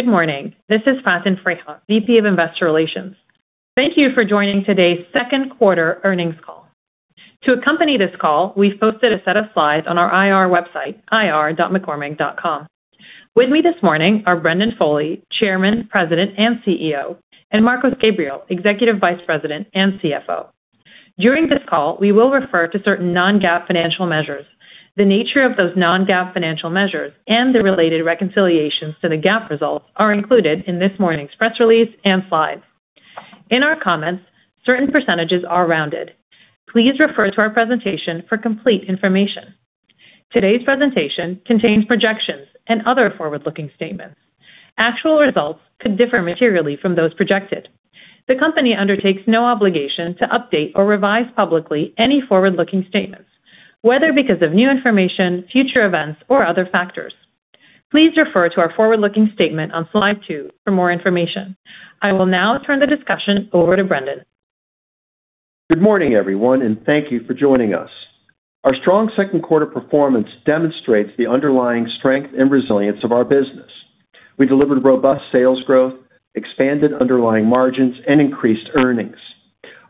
Good morning. This is Faten Freiha, VP of Investor Relations. Thank you for joining today's second quarter earnings call. To accompany this call, we've posted a set of slides on our IR website, ir.mccormick.com. With me this morning are Brendan Foley, Chairman, President, and CEO, and Marcos Gabriel, Executive Vice President and CFO. During this call, we will refer to certain non-GAAP financial measures. The nature of those non-GAAP financial measures and the related reconciliations to the GAAP results are included in this morning's press release and slides. In our comments, certain percentages are rounded. Please refer to our presentation for complete information. Today's presentation contains projections and other forward-looking statements. Actual results could differ materially from those projected. The company undertakes no obligation to update or revise publicly any forward-looking statements, whether because of new information, future events, or other factors. Please refer to our forward-looking statement on slide two for more information. I will now turn the discussion over to Brendan. Good morning, everyone, and thank you for joining us. Our strong second quarter performance demonstrates the underlying strength and resilience of our business. We delivered robust sales growth, expanded underlying margins, and increased earnings.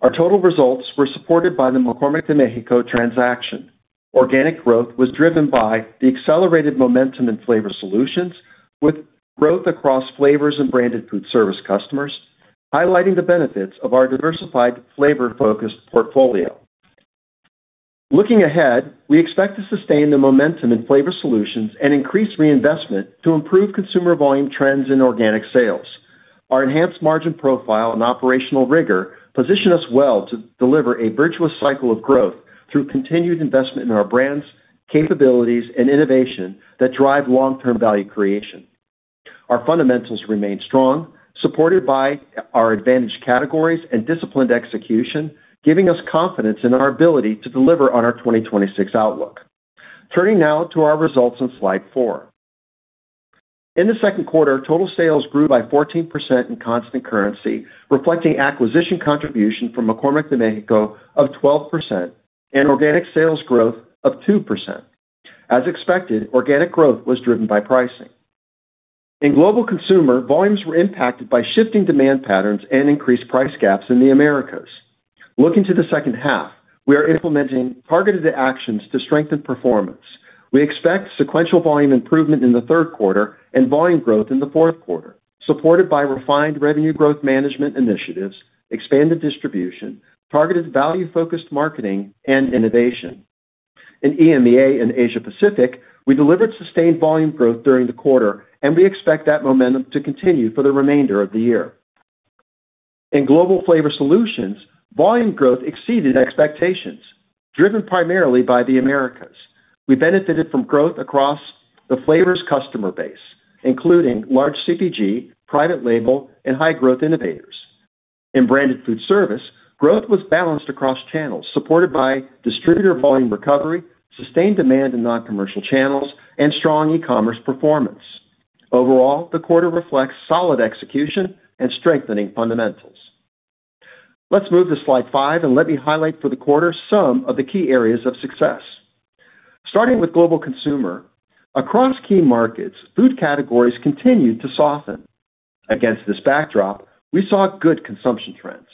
Our total results were supported by the McCormick Mexico transaction. Organic growth was driven by the accelerated momentum in Flavor Solutions, with growth across flavors and branded food service customers, highlighting the benefits of our diversified flavor-focused portfolio. Looking ahead, we expect to sustain the momentum in Flavor Solutions and increase reinvestment to improve Consumer volume trends in organic sales. Our enhanced margin profile and operational rigor position us well to deliver a virtuous cycle of growth through continued investment in our brands, capabilities, and innovation that drive long-term value creation. Our fundamentals remain strong, supported by our advantaged categories and disciplined execution, giving us confidence in our ability to deliver on our 2026 outlook. Turning now to our results on slide four. In the second quarter, total sales grew by 14% in constant currency, reflecting acquisition contribution from McCormick Mexico of 12% and organic sales growth of 2%. As expected, organic growth was driven by pricing. In global Consumer, volumes were impacted by shifting demand patterns and increased price gaps in the Americas. Looking to the second half, we are implementing targeted actions to strengthen performance. We expect sequential volume improvement in the third quarter and volume growth in the fourth quarter, supported by refined revenue growth management initiatives, expanded distribution, targeted value-focused marketing, and innovation. In EMEA and Asia Pacific, we delivered sustained volume growth during the quarter, and we expect that momentum to continue for the remainder of the year. In Global Flavor Solutions, volume growth exceeded expectations, driven primarily by the Americas. We benefited from growth across the Flavor Solutions customer base, including large CPG, private label, and high-growth innovators. In branded food service, growth was balanced across channels, supported by distributor volume recovery, sustained demand in non-commercial channels, and strong e-commerce performance. Overall, the quarter reflects solid execution and strengthening fundamentals. Let's move to slide five and let me highlight for the quarter some of the key areas of success. Starting with global Consumer. Across key markets, food categories continued to soften. Against this backdrop, we saw good consumption trends.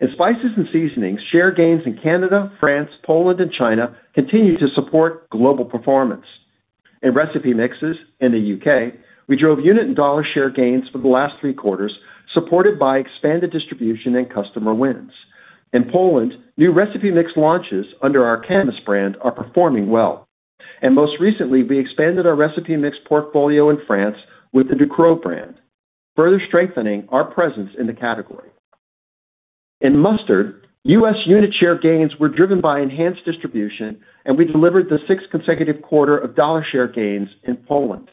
In spices and seasonings, share gains in Canada, France, Poland, and China continued to support global performance. In recipe mixes in the U.K., we drove unit and dollar share gains for the last three quarters, supported by expanded distribution and customer wins. In Poland, new recipe mix launches under our Kamis brand are performing well. Most recently, we expanded our recipe mix portfolio in France with the Ducros brand, further strengthening our presence in the category. In mustard, U.S. unit share gains were driven by enhanced distribution, and we delivered the sixth consecutive quarter of dollar share gains in Poland.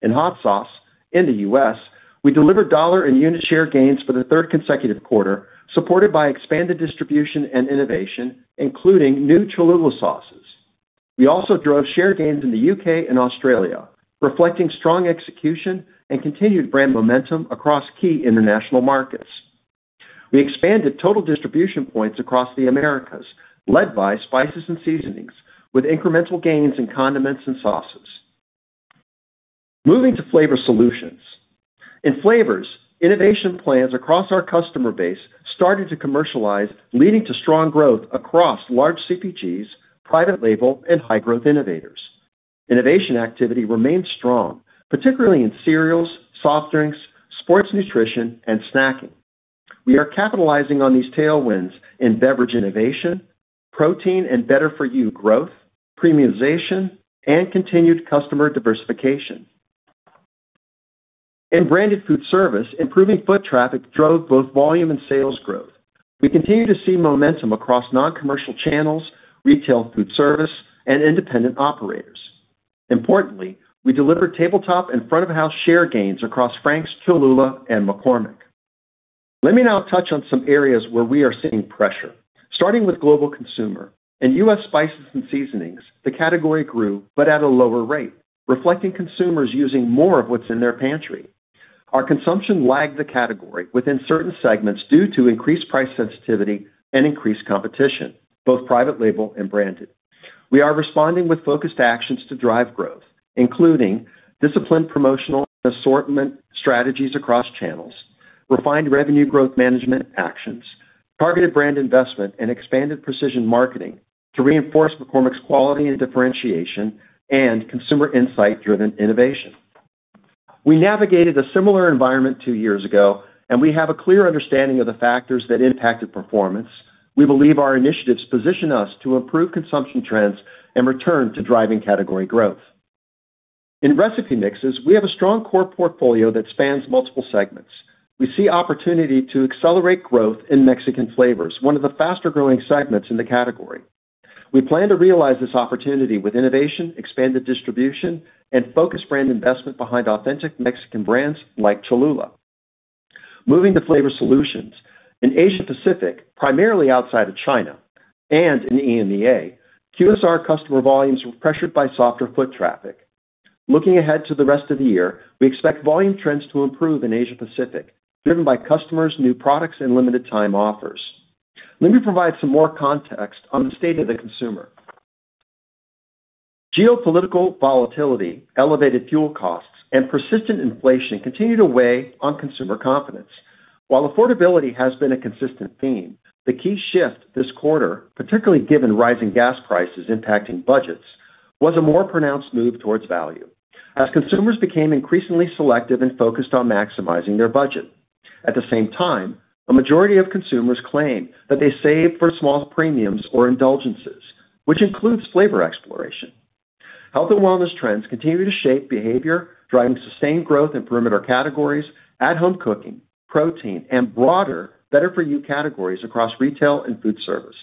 In hot sauce in the U.S., we delivered dollar and unit share gains for the third consecutive quarter, supported by expanded distribution and innovation, including new Cholula sauces. We also drove share gains in the U.K. and Australia, reflecting strong execution and continued brand momentum across key international markets. We expanded total distribution points across the Americas, led by spices and seasonings, with incremental gains in condiments and sauces. Moving to Flavor Solutions. In Flavor Solutions, innovation plans across our customer base started to commercialize, leading to strong growth across large CPGs, private label, and high-growth innovators. Innovation activity remains strong, particularly in cereals, soft drinks, sports nutrition, and snacking. We are capitalizing on these tailwinds in beverage innovation, protein and better-for-you growth, premiumization, and continued customer diversification. In branded food service, improving foot traffic drove both volume and sales growth. We continue to see momentum across non-commercial channels, retail food service, and independent operators. Importantly, we delivered tabletop and front of house share gains across Frank's, Cholula, and McCormick. Let me now touch on some areas where we are seeing pressure, starting with global Consumer. In U.S. spices and seasonings, the category grew, but at a lower rate, reflecting consumers using more of what's in their pantry. Our consumption lagged the category within certain segments due to increased price sensitivity and increased competition, both private label and branded. We are responding with focused actions to drive growth, including disciplined promotional and assortment strategies across channels, refined revenue growth management actions. Targeted brand investment and expanded precision marketing to reinforce McCormick's quality and differentiation and consumer insight-driven innovation. We navigated a similar environment two years ago, and we have a clear understanding of the factors that impacted performance. We believe our initiatives position us to improve consumption trends and return to driving category growth. In recipe mixes, we have a strong core portfolio that spans multiple segments. We see opportunity to accelerate growth in Mexican flavors, one of the faster-growing segments in the category. We plan to realize this opportunity with innovation, expanded distribution, and focused brand investment behind authentic Mexican brands like Cholula. Moving to Flavor Solutions. In Asia Pacific, primarily outside of China, and in EMEA, QSR customer volumes were pressured by softer foot traffic. Looking ahead to the rest of the year, we expect volume trends to improve in Asia Pacific, driven by customers' new products and limited time offers. Let me provide some more context on the state of the consumer. Geopolitical volatility, elevated fuel costs, and persistent inflation continue to weigh on consumer confidence. While affordability has been a consistent theme, the key shift this quarter, particularly given rising gas prices impacting budgets, was a more pronounced move towards value as consumers became increasingly selective and focused on maximizing their budget. At the same time, a majority of consumers claim that they save for small premiums or indulgences, which includes flavor exploration. Health and wellness trends continue to shape behavior, driving sustained growth in perimeter categories, at-home cooking, protein, and broader better-for-you categories across retail and food service.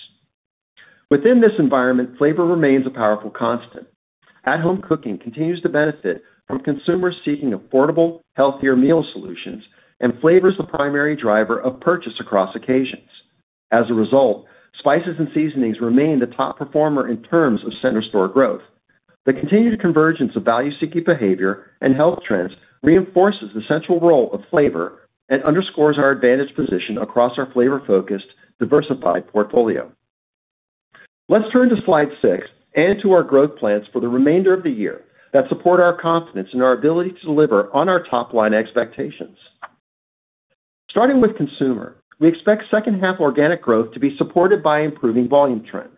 Within this environment, flavor remains a powerful constant. At-home cooking continues to benefit from consumers seeking affordable, healthier meal solutions, and flavor is the primary driver of purchase across occasions. As a result, spices and seasonings remain the top performer in terms of center store growth. The continued convergence of value-seeking behavior and health trends reinforces the central role of flavor and underscores our advantaged position across our flavor-focused, diversified portfolio. Let's turn to slide six and to our growth plans for the remainder of the year that support our confidence in our ability to deliver on our top-line expectations. Starting with Consumer, we expect second half organic growth to be supported by improving volume trends.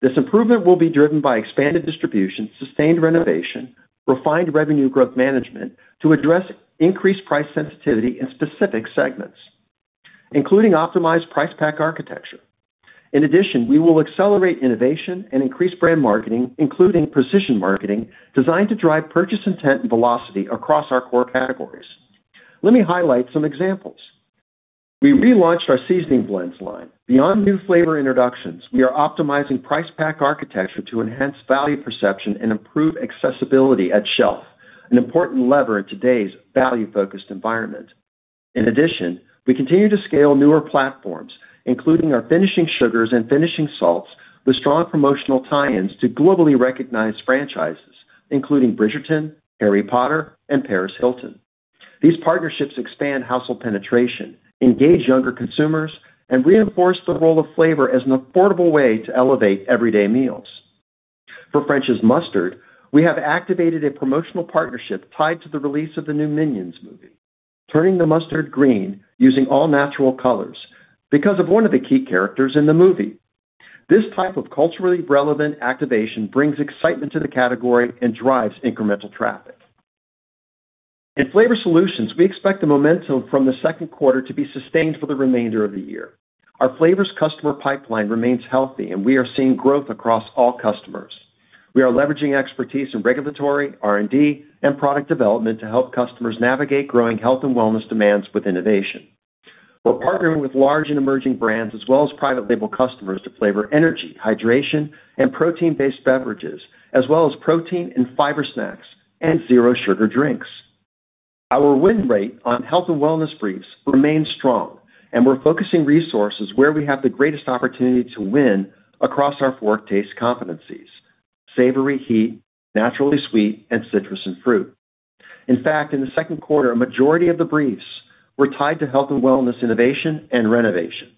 This improvement will be driven by expanded distribution, sustained renovation, refined revenue growth management to address increased price sensitivity in specific segments, including optimized price pack architecture. In addition, we will accelerate innovation and increase brand marketing, including precision marketing designed to drive purchase intent and velocity across our core categories. Let me highlight some examples. We relaunched our seasoning blends line. Beyond new flavor introductions, we are optimizing price pack architecture to enhance value perception and improve accessibility at shelf, an important lever in today's value-focused environment. In addition, we continue to scale newer platforms, including our finishing sugars and finishing salts, with strong promotional tie-ins to globally recognized franchises including Bridgerton, Harry Potter, and Paris Hilton. These partnerships expand household penetration, engage younger consumers, and reinforce the role of flavor as an affordable way to elevate everyday meals. For French's Mustard, we have activated a promotional partnership tied to the release of the new Minions movie, turning the mustard green using all-natural colors because of one of the key characters in the movie. This type of culturally relevant activation brings excitement to the category and drives incremental traffic. In Flavor Solutions, we expect the momentum from the second quarter to be sustained for the remainder of the year. Our flavors customer pipeline remains healthy, and we are seeing growth across all customers. We are leveraging expertise in regulatory, R&D, and product development to help customers navigate growing health and wellness demands with innovation. We're partnering with large and emerging brands as well as private label customers to flavor energy, hydration, and protein-based beverages, as well as protein and fiber snacks and zero sugar drinks. Our win rate on health and wellness briefs remains strong, and we're focusing resources where we have the greatest opportunity to win across our four taste competencies: savory, heat, naturally sweet, and citrus and fruit. In fact, in the second quarter, a majority of the briefs were tied to health and wellness innovation and renovation.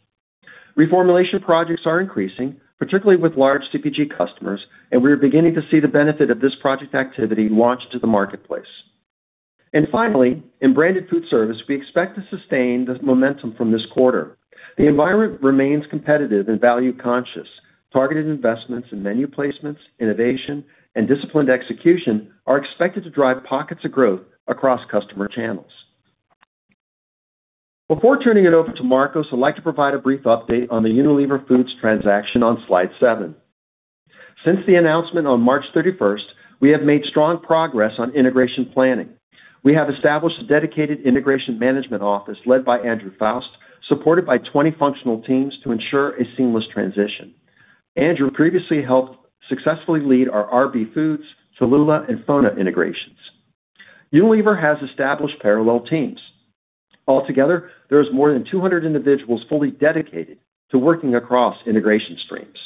Reformulation projects are increasing, particularly with large CPG customers, and we are beginning to see the benefit of this project activity launched to the marketplace. Finally, in branded food service, we expect to sustain the momentum from this quarter. The environment remains competitive and value conscious. Targeted investments in menu placements, innovation, and disciplined execution are expected to drive pockets of growth across customer channels. Before turning it over to Marcos, I'd like to provide a brief update on the Unilever Foods transaction on slide seven. Since the announcement on March 31st, we have made strong progress on integration planning. We have established a dedicated integration management office led by Andrew Foust, supported by 20 functional teams, to ensure a seamless transition. Andrew previously helped successfully lead our RB Foods, Cholula, and FONA integrations. Unilever has established parallel teams. Altogether, there is more than 200 individuals fully dedicated to working across integration streams.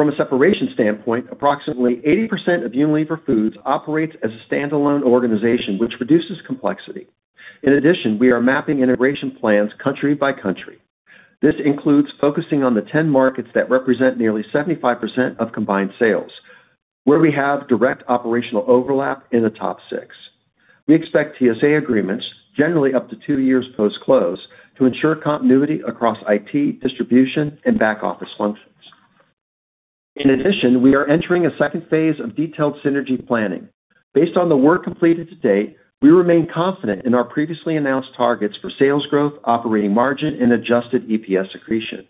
From a separation standpoint, approximately 80% of Unilever Foods operates as a standalone organization, which reduces complexity. In addition, we are mapping integration plans country by country. This includes focusing on the 10 markets that represent nearly 75% of combined sales, where we have direct operational overlap in the top six. We expect TSA agreements generally up to two years post-close to ensure continuity across IT, distribution, and back-office functions. In addition, we are entering a second phase of detailed synergy planning. Based on the work completed to date, we remain confident in our previously announced targets for sales growth, operating margin, and adjusted EPS accretion.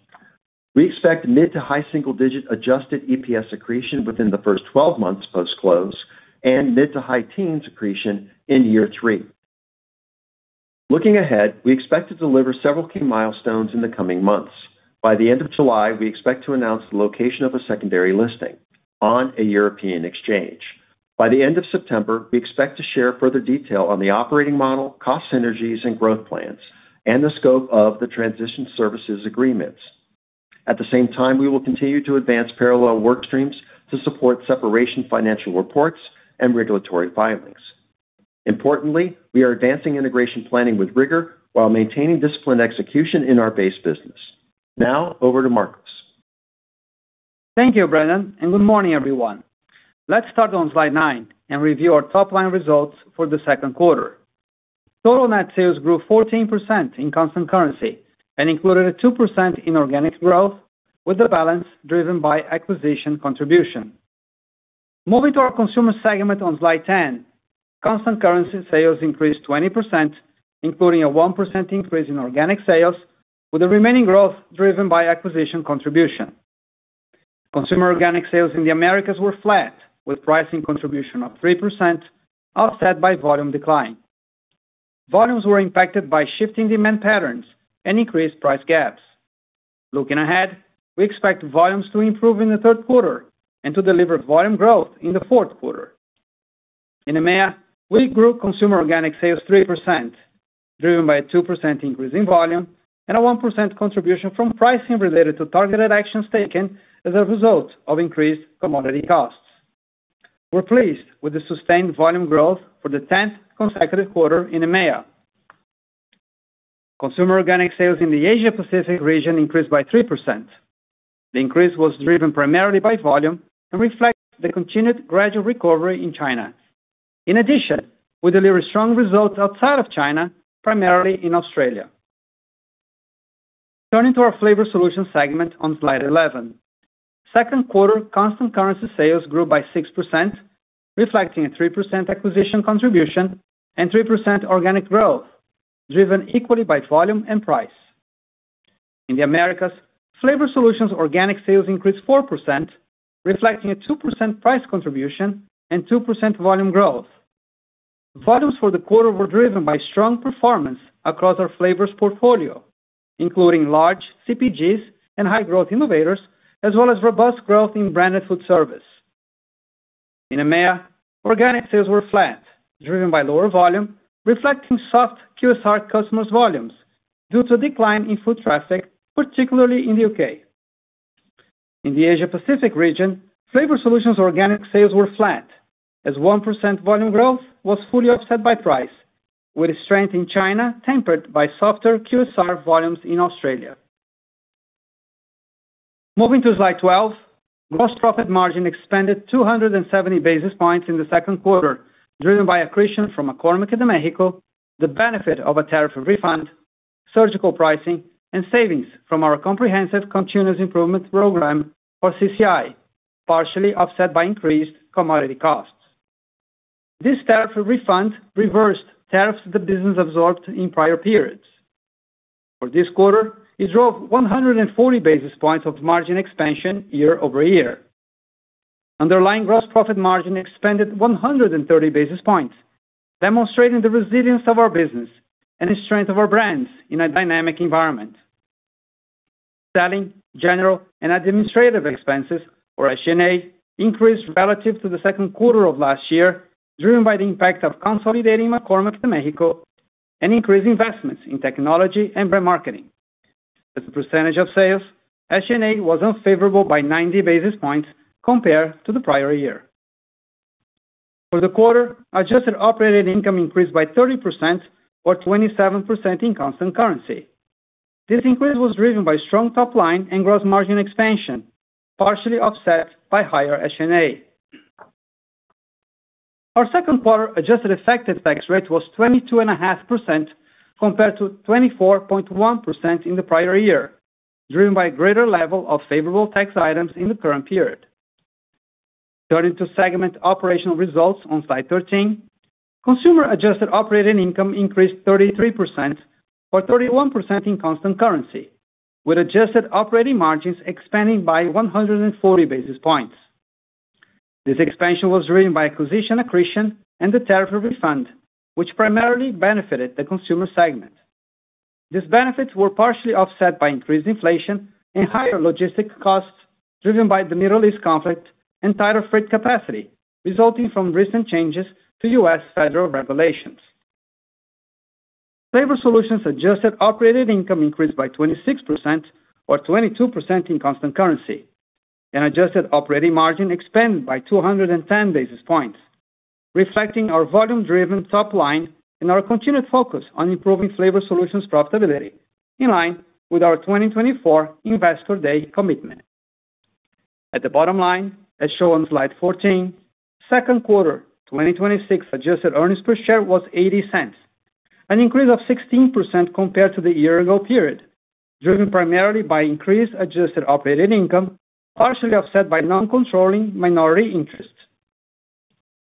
We expect mid to high single-digit adjusted EPS accretion within the first 12 months post-close and mid to high teens accretion in year three. Looking ahead, we expect to deliver several key milestones in the coming months. By the end of July, we expect to announce the location of a secondary listing on a European exchange. By the end of September, we expect to share further detail on the operating model, cost synergies, and growth plans, and the scope of the transition services agreements. At the same time, we will continue to advance parallel work streams to support separation financial reports and regulatory filings. Importantly, we are advancing integration planning with rigor while maintaining disciplined execution in our base business. Now, over to Marcos. Thank you, Brendan, and good morning, everyone. Let's start on slide nine and review our top-line results for the second quarter. Total net sales grew 14% in constant currency and included a 2% inorganic growth, with the balance driven by acquisition contribution. Moving to our Consumer segment on Slide 10, constant currency sales increased 20%, including a 1% increase in organic sales, with the remaining growth driven by acquisition contribution. Consumer organic sales in the Americas were flat, with pricing contribution of 3% offset by volume decline. Volumes were impacted by shifting demand patterns and increased price gaps. Looking ahead, we expect volumes to improve in the third quarter and to deliver volume growth in the fourth quarter. In EMEA, we grew Consumer organic sales 3%, driven by a 2% increase in volume and a 1% contribution from pricing related to targeted actions taken as a result of increased commodity costs. We're pleased with the sustained volume growth for the tenth consecutive quarter in EMEA. Consumer organic sales in the Asia Pacific region increased by 3%. The increase was driven primarily by volume and reflects the continued gradual recovery in China. In addition, we delivered strong results outside of China, primarily in Australia. Turning to our Flavor Solutions segment on Slide 11, second quarter constant currency sales grew by 6%, reflecting a 3% acquisition contribution and 3% organic growth, driven equally by volume and price. In the Americas, Flavor Solutions organic sales increased 4%, reflecting a 2% price contribution and 2% volume growth. Volumes for the quarter were driven by strong performance across our flavors portfolio, including large CPGs and high-growth innovators, as well as robust growth in branded food service. In EMEA, organic sales were flat, driven by lower volume, reflecting soft QSR customers' volumes due to a decline in food traffic, particularly in the U.K. In the Asia Pacific region, Flavor Solutions organic sales were flat as 1% volume growth was fully offset by price, with strength in China tempered by softer QSR volumes in Australia. Moving to Slide 12, gross profit margin expanded 270 basis points in the second quarter, driven by accretion from McCormick de Mexico, the benefit of a tariff refund, surgical pricing, and savings from our comprehensive continuous improvement program, or CCI, partially offset by increased commodity costs. This tariff refund reversed tariffs the business absorbed in prior periods. For this quarter, it drove 140 basis points of margin expansion year-over-year. Underlying gross profit margin expanded 130 basis points, demonstrating the resilience of our business and the strength of our brands in a dynamic environment. Selling, general, and administrative expenses, or SG&A, increased relative to the second quarter of last year, driven by the impact of consolidating McCormick de Mexico and increased investments in technology and brand marketing. As a percentage of sales, SG&A was unfavorable by 90 basis points compared to the prior year. For the quarter, adjusted operating income increased by 30%, or 27% in constant currency. This increase was driven by strong top line and gross margin expansion, partially offset by higher SG&A. Our second quarter-adjusted effective tax rate was 22.5% compared to 24.1% in the prior year, driven by a greater level of favorable tax items in the current period. Turning to segment operational results on Slide 13, Consumer-adjusted operating income increased 33%, or 31% in constant currency, with adjusted operating margins expanding by 140 basis points. This expansion was driven by acquisition accretion and the tariff refund, which primarily benefited the Consumer segment. These benefits were partially offset by increased inflation and higher logistic costs, driven by the Middle East conflict and tighter freight capacity, resulting from recent changes to U.S. federal regulations. Flavor Solutions adjusted operating income increased by 26%, or 22% in constant currency, and adjusted operating margin expanded by 210 basis points, reflecting our volume-driven top line and our continued focus on improving Flavor Solutions profitability in line with our 2024 Investor Day commitment. At the bottom line, as shown on slide 14, second quarter 2026 adjusted earnings per share was $0.80, an increase of 16% compared to the year-ago period, driven primarily by increased adjusted operating income, partially offset by non-controlling minority interests.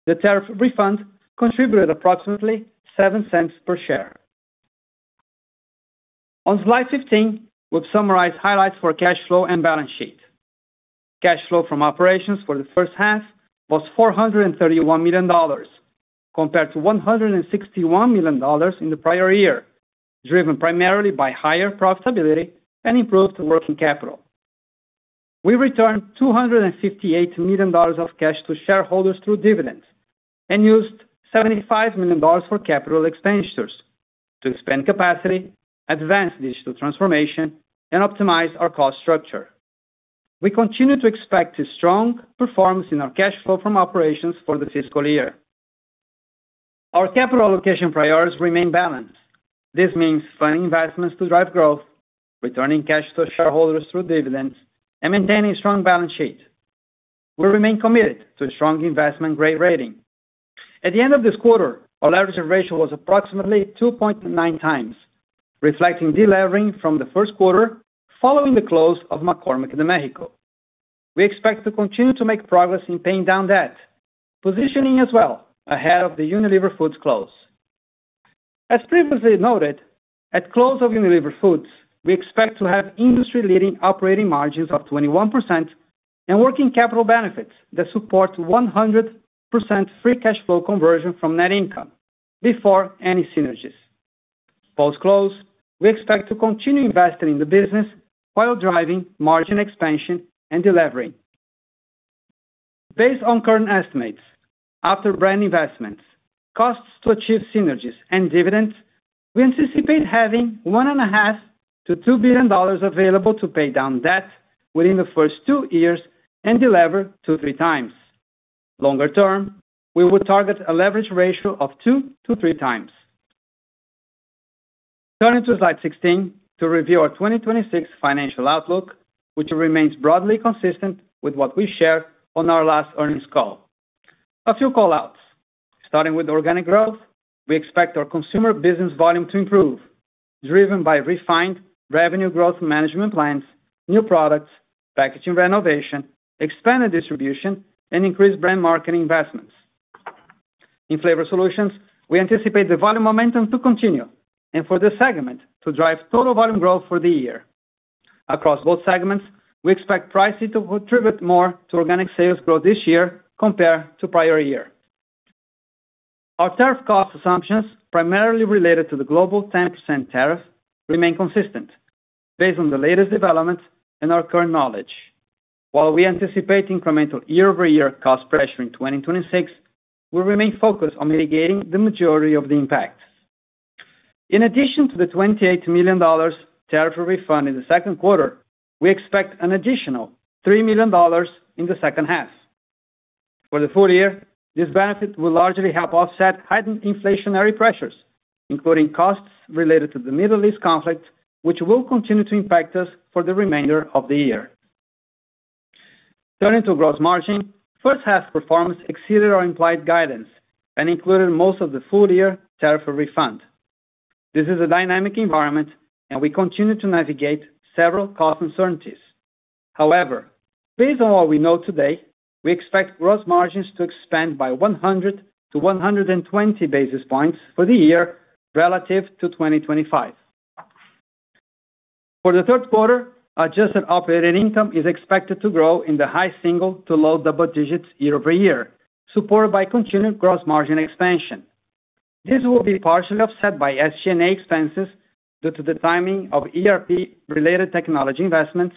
The tariff refund contributed approximately $0.07 per share. On slide 15, we've summarized highlights for cash flow and balance sheet. Cash flow from operations for the first half was $431 million compared to $161 million in the prior year, driven primarily by higher profitability and improved working capital. We returned $258 million of cash to shareholders through dividends and used $75 million for capital expenditures to expand capacity, advance digital transformation, and optimize our cost structure. We continue to expect strong performance in our cash flow from operations for the fiscal year. Our capital allocation priorities remain balanced. This means funding investments to drive growth, returning cash to shareholders through dividends, and maintaining strong balance sheet. We remain committed to a strong investment-grade rating. At the end of this quarter, our leverage ratio was approximately 2.9x, reflecting de-levering from the first quarter following the close of McCormick in Mexico. We expect to continue to make progress in paying down debt, positioning us well ahead of the Unilever Foods close. As previously noted, at close of Unilever Foods, we expect to have industry-leading operating margins of 21% and working capital benefits that support 100% free cash flow conversion from net income before any synergies. Post-close, we expect to continue investing in the business while driving margin expansion and delevering. Based on current estimates, after brand investments, costs to achieve synergies and dividends, we anticipate having $1.5 billion-$2 billion available to pay down debt within the first two years and delever two to three times. Longer term, we will target a leverage ratio of two to three times. Turning to slide 16 to review our 2026 financial outlook, which remains broadly consistent with what we shared on our last earnings call. A few call-outs. Starting with organic growth, we expect our Consumer Business volume to improve, driven by refined revenue growth management plans, new products, packaging renovation, expanded distribution, and increased brand marketing investments. In Flavor Solutions, we anticipate the volume momentum to continue, and for this segment to drive total volume growth for the year. Across both segments, we expect pricing to contribute more to organic sales growth this year compared to prior year. Our tariff cost assumptions, primarily related to the global 10% tariff, remain consistent based on the latest developments and our current knowledge. While we anticipate incremental year-over-year cost pressure in 2026, we remain focused on mitigating the majority of the impact. In addition to the $28 million tariff refund in the second quarter, we expect an additional $3 million in the second half. For the full year, this benefit will largely help offset heightened inflationary pressures, including costs related to the Middle East conflict, which will continue to impact us for the remainder of the year. Turning to gross margin, first half performance exceeded our implied guidance and included most of the full-year tariff refund. This is a dynamic environment, and we continue to navigate several cost uncertainties. However, based on what we know today, we expect gross margins to expand by 100 to 120 basis points for the year relative to 2025. For the third quarter, adjusted operating income is expected to grow in the high single to low double digits year-over-year, supported by continued gross margin expansion. This will be partially offset by SG&A expenses due to the timing of ERP-related technology investments,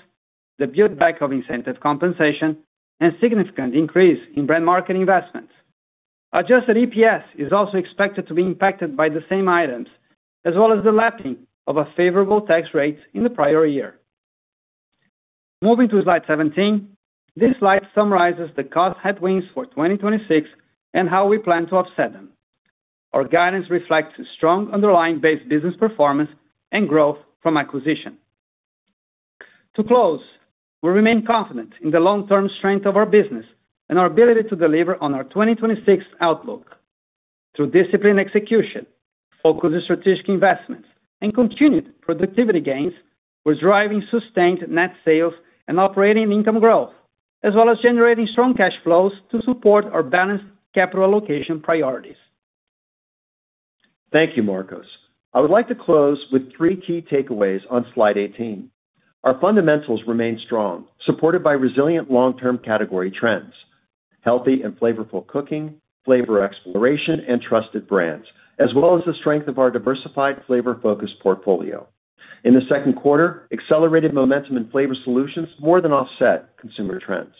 the build-back of incentive compensation, and significant increase in brand marketing investments. Adjusted EPS is also expected to be impacted by the same items, as well as the lapping of a favorable tax rate in the prior year. Moving to slide 17, this slide summarizes the cost headwinds for 2026 and how we plan to offset them. Our guidance reflects strong underlying base business performance and growth from acquisition. To close, we remain confident in the long-term strength of our business and our ability to deliver on our 2026 outlook. Through disciplined execution, focused strategic investments, and continued productivity gains, we're driving sustained net sales and operating income growth, as well as generating strong cash flows to support our balanced capital allocation priorities. Thank you, Marcos. I would like to close with three key takeaways on slide 18. Our fundamentals remain strong, supported by resilient long-term category trends, healthy and flavorful cooking, flavor exploration, and trusted brands, as well as the strength of our diversified flavor focus portfolio. In the second quarter, accelerated momentum in Flavor Solutions more than offset consumer trends.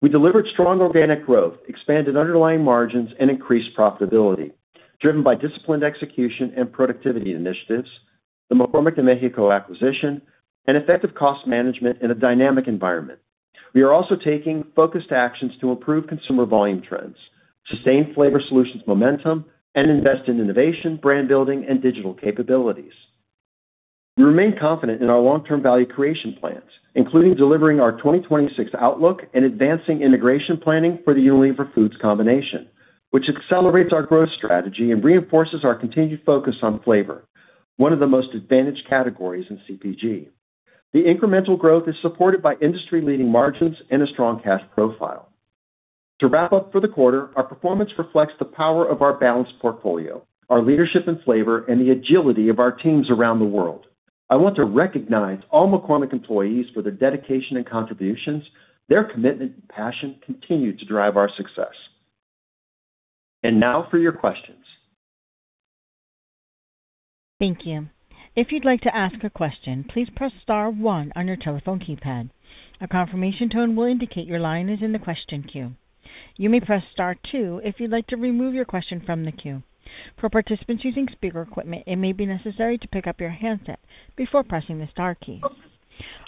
We delivered strong organic growth, expanded underlying margins, and increased profitability driven by disciplined execution and productivity initiatives, the McCormick de Mexico acquisition, and effective cost management in a dynamic environment. We are also taking focused actions to improve consumer volume trends, sustain Flavor Solutions momentum, and invest in innovation, brand building, and digital capabilities. We remain confident in our long-term value creation plans, including delivering our 2026 outlook and advancing integration planning for the Unilever Foods combination, which accelerates our growth strategy and reinforces our continued focus on flavor, one of the most advantaged categories in CPG. The incremental growth is supported by industry-leading margins and a strong cash profile. To wrap up for the quarter, our performance reflects the power of our balanced portfolio, our leadership and flavor, and the agility of our teams around the world. I want to recognize all McCormick employees for their dedication and contributions. Their commitment and passion continue to drive our success. Now for your questions. Thank you. If you'd like to ask a question, please press star one on your telephone keypad. A confirmation tone will indicate your line is in the question queue. You may press star two if you'd like to remove your question from the queue. For participants using speaker equipment, it may be necessary to pick up your handset before pressing the star key.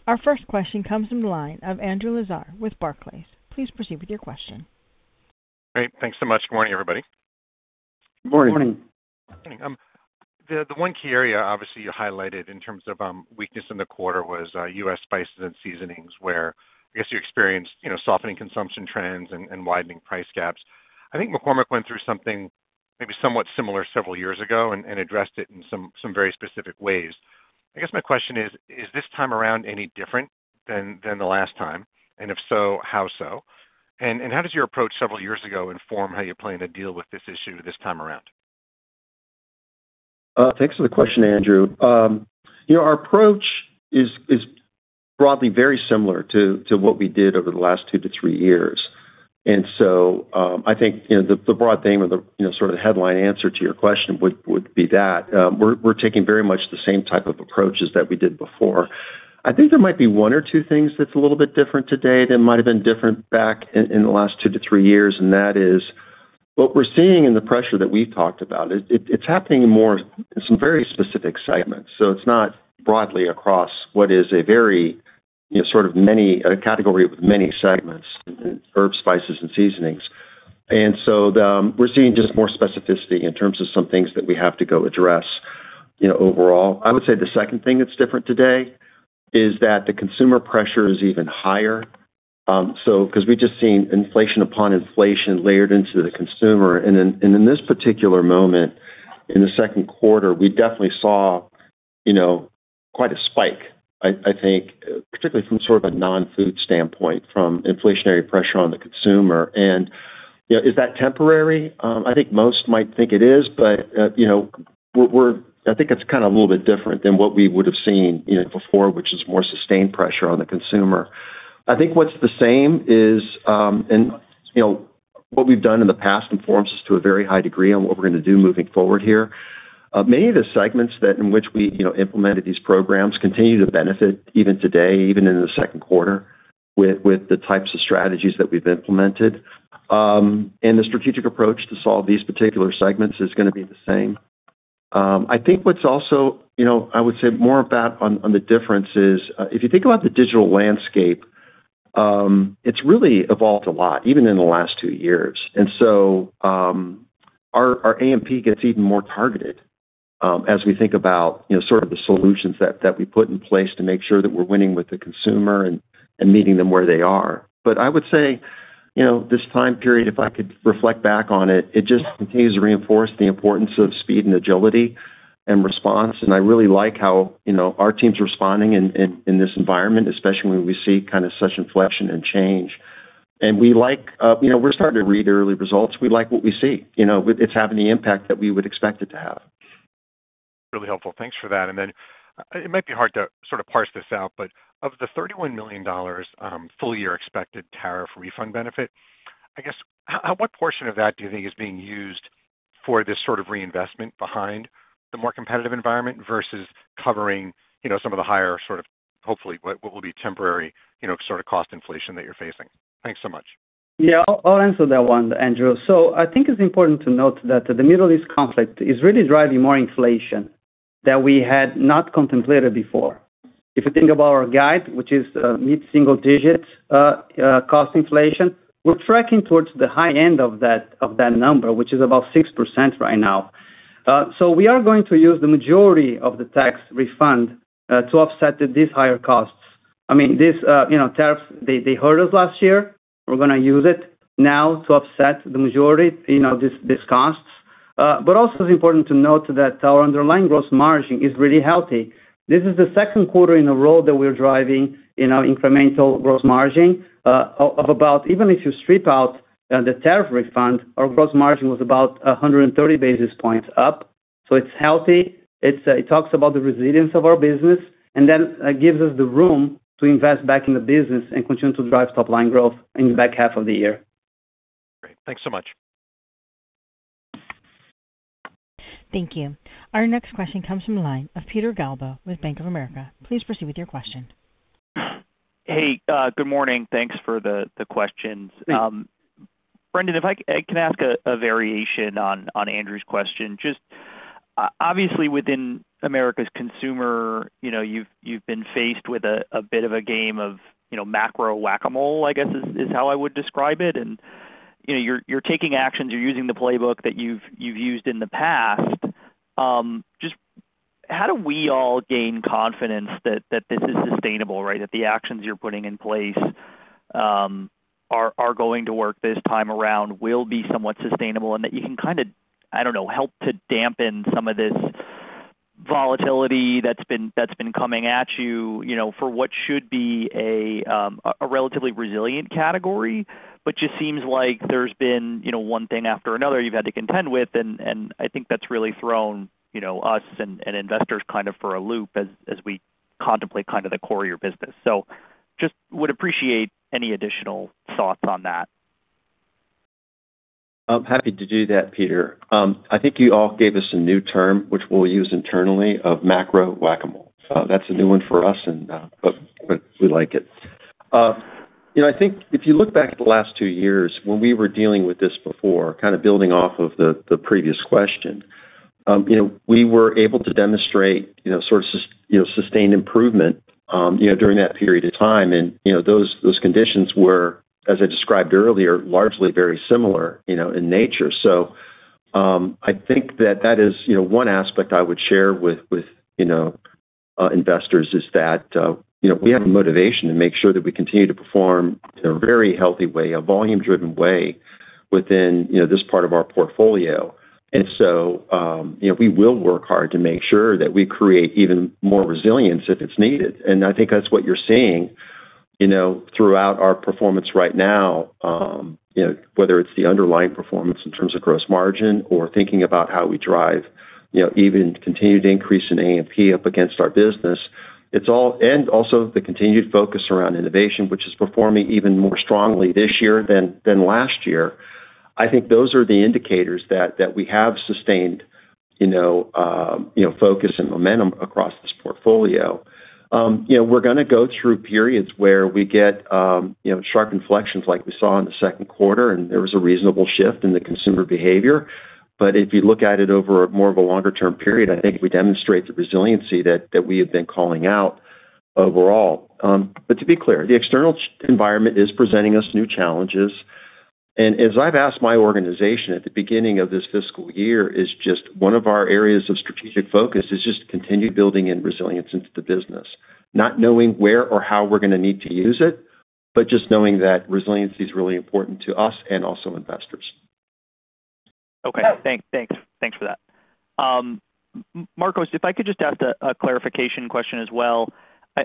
Our first question comes from the line of Andrew Lazar with Barclays. Please proceed with your question. Great. Thanks so much. Good morning, everybody. Good morning. Good morning. Good morning. The one key area, obviously, you highlighted in terms of weakness in the quarter was U.S. spices and seasonings, where I guess you experienced softening consumption trends and widening price gaps. I think McCormick went through something maybe somewhat similar several years ago and addressed it in some very specific ways. I guess my question is this time around any different than the last time? If so, how so? How does your approach several years ago inform how you plan to deal with this issue this time around? Thanks for the question, Andrew. Our approach is broadly very similar to what we did over the last two to three years. I think, the broad theme or the sort of headline answer to your question would be that we're taking very much the same type of approaches that we did before. I think there might be one or two things that's a little bit different today than might have been different back in the last two to three years, that is what we're seeing in the pressure that we've talked about. It's happening in some very specific segments. It's not broadly across what is a category with many segments in herb, spices, and seasonings. We're seeing just more specificity in terms of some things that we have to go address overall. I would say the second thing that's different today is that the consumer pressure is even higher. We've just seen inflation upon inflation layered into the consumer. In this particular moment, in the second quarter, we definitely saw quite a spike, I think, particularly from sort of a non-food standpoint, from inflationary pressure on the consumer. Is that temporary? I think most might think it is, but I think it's kind of a little bit different than what we would have seen before, which is more sustained pressure on the consumer. I think what's the same is what we've done in the past informs us to a very high degree on what we're going to do moving forward here. Many of the segments in which we implemented these programs continue to benefit even today, even in the second quarter, with the types of strategies that we've implemented. The strategic approach to solve these particular segments is going to be the same. I would say more of that on the difference is, if you think about the digital landscape, it's really evolved a lot, even in the last two years. Our A&P gets even more targeted as we think about the solutions that we put in place to make sure that we're winning with the consumer and meeting them where they are. I would say, this time period, if I could reflect back on it just continues to reinforce the importance of speed and agility and response. I really like how our team's responding in this environment, especially when we see such inflation and change. We're starting to read early results. We like what we see. It's having the impact that we would expect it to have. Really helpful. Thanks for that. It might be hard to sort of parse this out, but of the $31 million full-year expected tariff refund benefit, I guess, what portion of that do you think is being used for this sort of reinvestment behind the more competitive environment versus covering some of the higher, hopefully what will be temporary cost inflation that you're facing? Thanks so much. Yeah, I'll answer that one, Andrew. I think it's important to note that the Middle East conflict is really driving more inflation that we had not contemplated before. If you think about our guide, which is mid-single digit cost inflation, we're tracking towards the high end of that number, which is about 6% right now. We are going to use the majority of the tax refund to offset these higher costs. These tariffs, they hurt us last year. We're going to use it now to offset the majority of these costs. Also, it's important to note that our underlying gross margin is really healthy. This is the second quarter in a row that we're driving incremental gross margin of about, even if you strip out the tariff refund, our gross margin was about 130 basis points up. It's healthy. It talks about the resilience of our business, and then it gives us the room to invest back in the business and continue to drive top-line growth in the back half of the year. Great. Thanks so much. Thank you. Our next question comes from the line of Peter Galbo with Bank of America. Please proceed with your question. Hey, good morning. Thanks for the questions. Hey. Brendan, if I can ask a variation on Andrew's question. Just obviously within America's Consumer, you've been faced with a bit of a game of macro Whac-A-Mole, I guess, is how I would describe it. You're taking actions, you're using the playbook that you've used in the past. Just how do we all gain confidence that this is sustainable, right? That the actions you're putting in place are going to work this time around, will be somewhat sustainable, and that you can kind of, I don't know, help to dampen some of this volatility that's been coming at you for what should be a relatively resilient category. Just seems like there's been one thing after another you've had to contend with, and I think that's really thrown us and investors kind of for a loop as we contemplate kind of the core of your business. Just would appreciate any additional thoughts on that. I'm happy to do that, Peter. I think you all gave us a new term, which we'll use internally, of macro Whac-A-Mole. That's a new one for us, but we like it. I think if you look back at the last two years when we were dealing with this before, kind of building off of the previous question, we were able to demonstrate sort of sustained improvement during that period of time. Those conditions were, as I described earlier, largely very similar in nature. I think that is one aspect I would share with investors, is that we have a motivation to make sure that we continue to perform in a very healthy way, a volume-driven way within this part of our portfolio. We will work hard to make sure that we create even more resilience if it's needed. I think that's what you're seeing throughout our performance right now, whether it's the underlying performance in terms of gross margin or thinking about how we drive even continued increase in A&P up against our business. Also the continued focus around innovation, which is performing even more strongly this year than last year. I think those are the indicators that we have sustained focus and momentum across this portfolio. We're going to go through periods where we get sharp inflections like we saw in the second quarter, there was a reasonable shift in the consumer behavior. If you look at it over more of a longer-term period, I think we demonstrate the resiliency that we have been calling out overall. To be clear, the external environment is presenting us new challenges, and as I've asked my organization at the beginning of this fiscal year, is just one of our areas of strategic focus is just to continue building in resilience into the business. Not knowing where or how we're going to need to use it, but just knowing that resiliency is really important to us and also investors. Okay. Thanks for that. Marcos, if I could just ask a clarification question as well.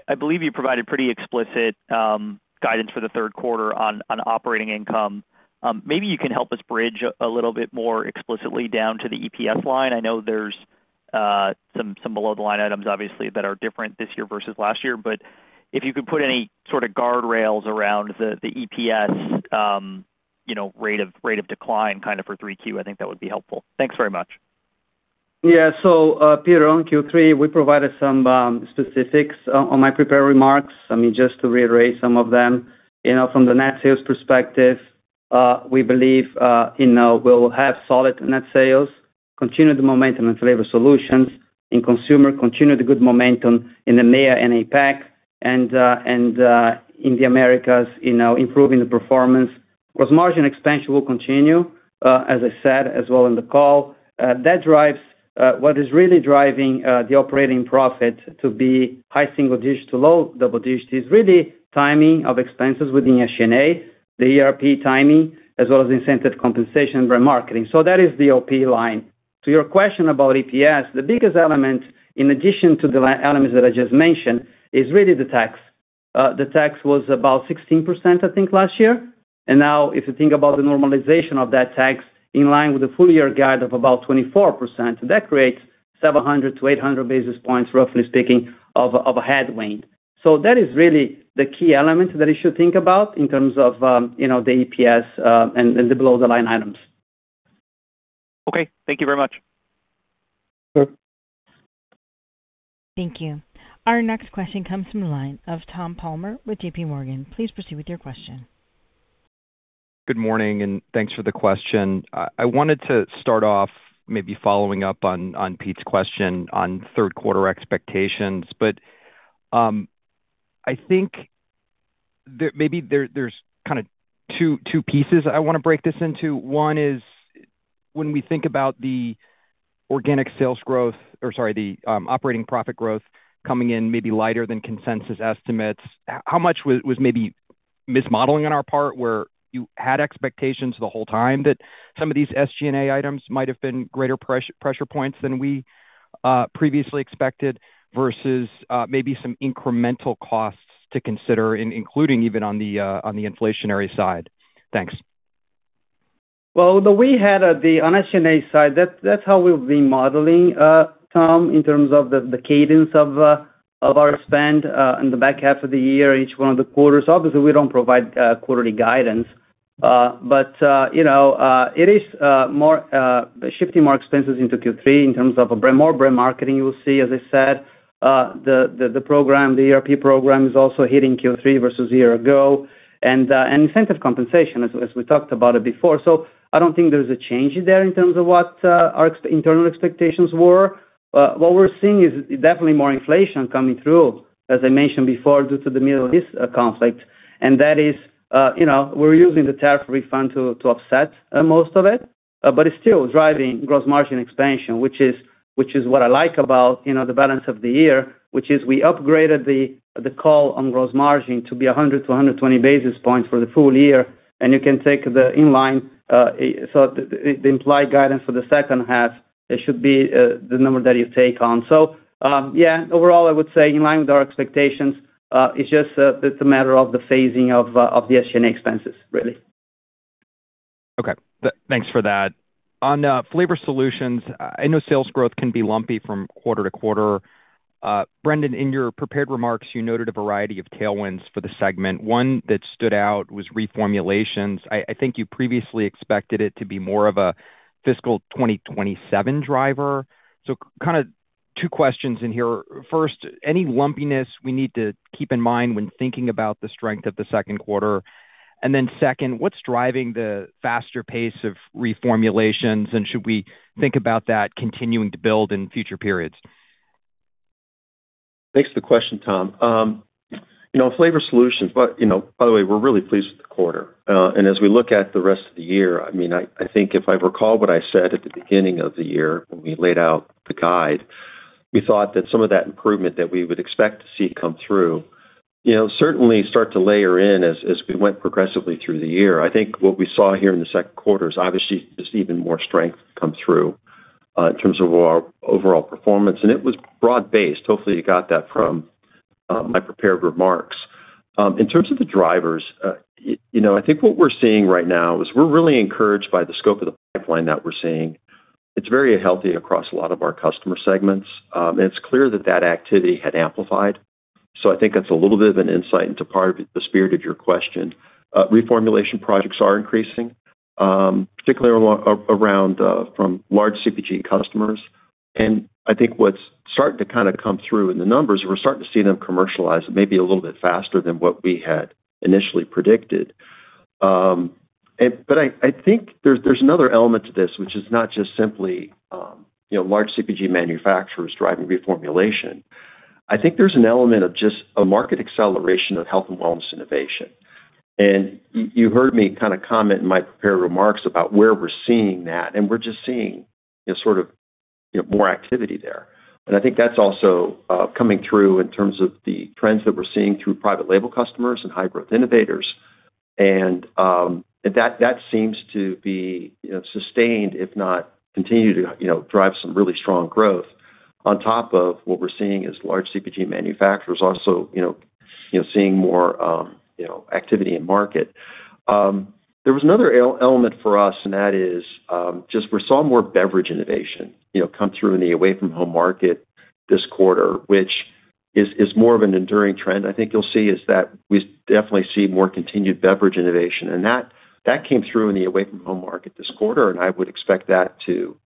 I believe you provided pretty explicit guidance for the third quarter on operating income. Maybe you can help us bridge a little bit more explicitly down to the EPS line. I know there's some below-the-line items, obviously, that are different this year versus last year. If you could put any sort of guardrails around the EPS rate of decline kind of for three Q, I think that would be helpful. Thanks very much. Yeah. Peter, on Q3, we provided some specifics on my prepared remarks. Just to reiterate some of them. From the net sales perspective, we believe we'll have solid net sales, continued momentum in Flavor Solutions, in Consumer, continued good momentum in the EMEA and APAC, and in the Americas improving the performance. Gross margin expansion will continue, as I said as well in the call. What is really driving the operating profit to be high single digit to low double digit is really timing of expenses within SG&A, the ERP timing, as well as incentive compensation brand marketing. That is the OP line. To your question about EPS, the biggest element in addition to the elements that I just mentioned is really the tax. The tax was about 16%, I think, last year. Now if you think about the normalization of that tax in line with the full year guide of about 24%, that creates 700 to 800 basis points, roughly speaking, of a headwind. That is really the key element that you should think about in terms of the EPS and the below-the-line items. Okay. Thank you very much. Sure. Thank you. Our next question comes from the line of Tom Palmer with JPMorgan. Please proceed with your question. Good morning, and thanks for the question. I wanted to start off maybe following up on Pete's question on third quarter expectations. I think maybe there's kind of two pieces I want to break this into. One is when we think about the organic sales growth, or, sorry, the operating profit growth coming in maybe lighter than consensus estimates, how much was maybe mismodeling on our part, where you had expectations the whole time that some of these SG&A items might have been greater pressure points than we previously expected, versus maybe some incremental costs to consider, including even on the inflationary side? Thanks. Well, on the SG&A side, that's how we've been modeling, Tom, in terms of the cadence of our spend in the back half of the year, each one of the quarters. Obviously, we don't provide quarterly guidance. It is shifting more expenses into Q3 in terms of more brand marketing you will see, as I said. The ERP program is also hitting Q3 versus a year ago. Incentive compensation, as we talked about it before. I don't think there's a change there in terms of what our internal expectations were. What we're seeing is definitely more inflation coming through, as I mentioned before, due to the Middle East conflict. That is we're using the tariff refund to offset most of it. It's still driving gross margin expansion, which is what I like about the balance of the year, which is we upgraded the call on gross margin to be 100-120 basis points for the full year, and you can take the inline. The implied guidance for the second half, it should be the number that you take on. Overall, I would say in line with our expectations. It's just a matter of the phasing of the SG&A expenses, really. Okay. Thanks for that. On Flavor Solutions, I know sales growth can be lumpy from quarter to quarter. Brendan, in your prepared remarks, you noted a variety of tailwinds for the segment. One that stood out was reformulations. I think you previously expected it to be more of a fiscal 2027 driver. Two questions in here. First, any lumpiness we need to keep in mind when thinking about the strength of the second quarter? Second, what's driving the faster pace of reformulations, and should we think about that continuing to build in future periods? Thanks for the question, Tom. Flavor Solutions, by the way, we're really pleased with the quarter. As we look at the rest of the year, I think if I recall what I said at the beginning of the year when we laid out the guide, we thought that some of that improvement that we would expect to see come through, certainly start to layer in as we went progressively through the year. I think what we saw here in the second quarter is obviously just even more strength come through, in terms of our overall performance, and it was broad-based. Hopefully, you got that from my prepared remarks. In terms of the drivers, I think what we're seeing right now is we're really encouraged by the scope of the pipeline that we're seeing. It's very healthy across a lot of our customer segments. It's clear that that activity had amplified. I think that's a little bit of an insight into part of the spirit of your question. Reformulation projects are increasing, particularly around from large CPG customers. I think what's starting to come through in the numbers, we're starting to see them commercialize maybe a little bit faster than what we had initially predicted. I think there's another element to this, which is not just simply large CPG manufacturers driving reformulation. I think there's an element of just a market acceleration of health and wellness innovation. You heard me comment in my prepared remarks about where we're seeing that, and we're just seeing more activity there. I think that's also coming through in terms of the trends that we're seeing through private label customers and high-growth innovators. That seems to be sustained, if not continue to drive some really strong growth on top of what we're seeing as large CPG manufacturers also seeing more activity in market. There was another element for us, and that is, just we saw more beverage innovation come through in the away-from-home market this quarter, which is more of an enduring trend. I think you'll see is that we definitely see more continued beverage innovation. That came through in the away-from-home market this quarter, and I would expect that to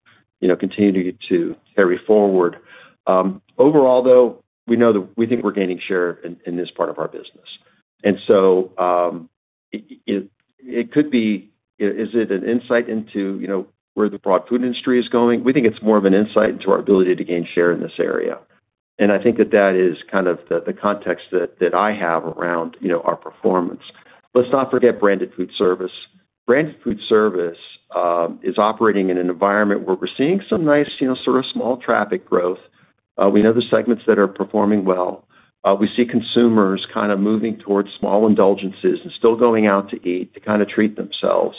continue to carry forward. Overall, though, we think we're gaining share in this part of our business. It could be, is it an insight into where the broad food industry is going? We think it's more of an insight into our ability to gain share in this area. I think that that is the context that I have around our performance. Let's not forget branded food service. Branded food service is operating in an environment where we're seeing some nice small traffic growth. We know the segments that are performing well. We see consumers moving towards small indulgences and still going out to eat to treat themselves.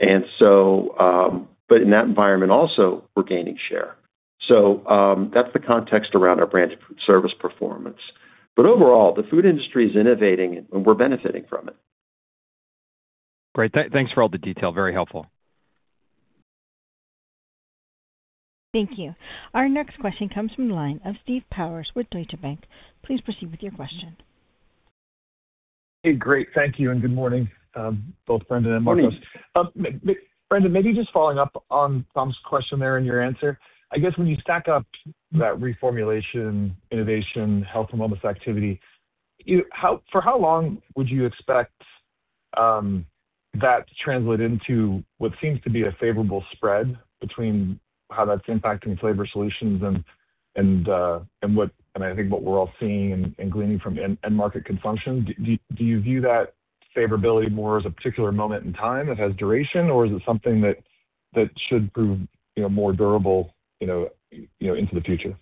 In that environment also, we're gaining share. That's the context around our branded food service performance. Overall, the food industry is innovating and we're benefiting from it. Great. Thanks for all the detail. Very helpful. Thank you. Our next question comes from the line of Steve Powers with Deutsche Bank. Please proceed with your question. Hey, great. Thank you, and good morning, both Brendan and Marcos. Good morning. Brendan, maybe just following up on Tom's question there and your answer. I guess when you stack up that reformulation, innovation, health and wellness activity, for how long would you expect that to translate into what seems to be a favorable spread between how that's impacting Flavor Solutions and I think what we're all seeing and gleaning from end market consumption? Do you view that favorability more as a particular moment in time that has duration, or is it something that should prove more durable into the future?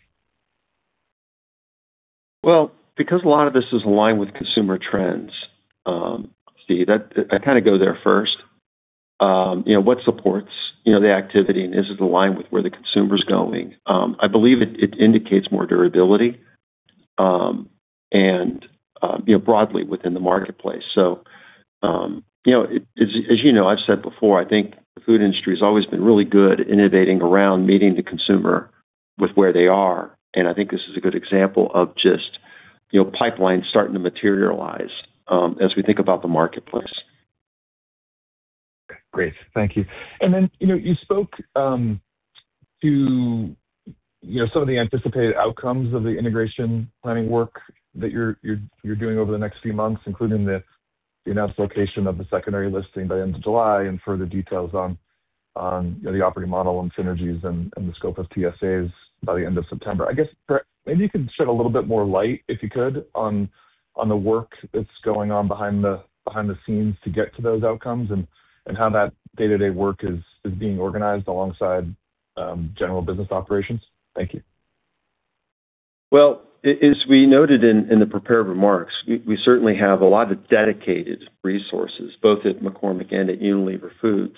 Well, because a lot of this is aligned with consumer trends, Steve, I go there first. What supports the activity and is it aligned with where the consumer's going? I believe it indicates more durability and broadly within the marketplace. As you know, I've said before, I think the food industry has always been really good at innovating around meeting the consumer with where they are, and I think this is a good example of just pipelines starting to materialize as we think about the marketplace. Great. Thank you. Then, you spoke to some of the anticipated outcomes of the integration planning work that you're doing over the next few months, including the announced location of the secondary listing by the end of July and further details on the operating model and synergies and the scope of TSAs by the end of September. I guess, maybe you could shed a little bit more light, if you could, on the work that's going on behind the scenes to get to those outcomes and how that day-to-day work is being organized alongside general business operations. Thank you. Well, as we noted in the prepared remarks, we certainly have a lot of dedicated resources, both at McCormick and at Unilever Foods,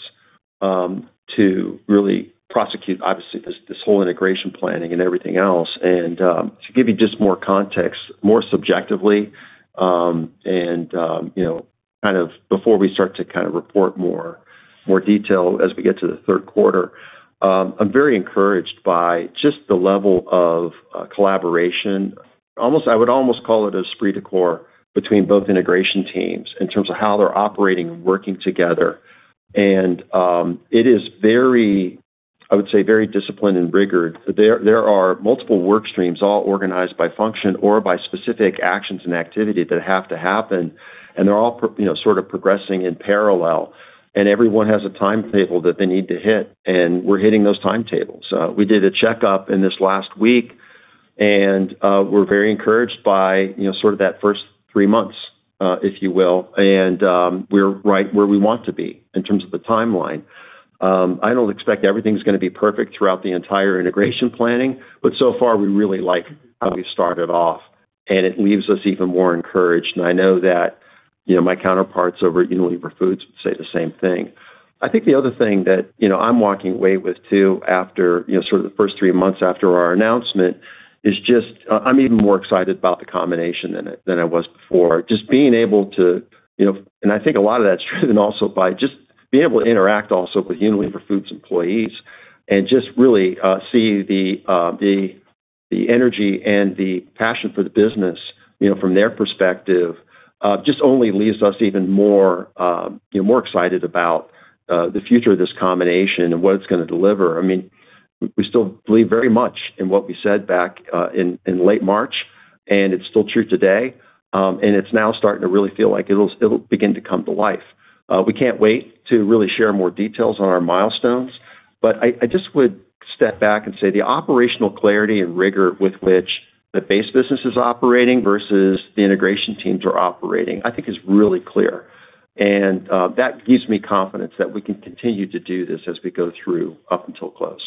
to really prosecute, obviously, this whole integration planning and everything else. To give you just more context, more subjectively, and before we start to report more detail as we get to the third quarter, I'm very encouraged by just the level of collaboration. I would almost call it esprit de corps between both integration teams in terms of how they're operating and working together. It is, I would say, very disciplined and rigorous. There are multiple work streams all organized by function or by specific actions and activity that have to happen, and they're all sort of progressing in parallel, and everyone has a timetable that they need to hit, and we're hitting those timetables. We did a checkup in this last week, and we're very encouraged by sort of that first three months, if you will. We're right where we want to be in terms of the timeline. I don't expect everything's going to be perfect throughout the entire integration planning, but so far, we really like how we started off, and it leaves us even more encouraged. I know that my counterparts over at Unilever Foods would say the same thing. I think the other thing that I'm walking away with, too, after sort of the first three months after our announcement, is just I'm even more excited about the combination than I was before. I think a lot of that's driven also by just being able to interact also with Unilever Foods employees and just really see the energy and the passion for the business from their perspective, just only leaves us even more excited about the future of this combination and what it's going to deliver. We still believe very much in what we said back in late March, and it's still true today. It's now starting to really feel like it'll begin to come to life. We can't wait to really share more details on our milestones. I just would step back and say the operational clarity and rigor with which the base business is operating versus the integration teams are operating, I think is really clear. That gives me confidence that we can continue to do this as we go through up until close.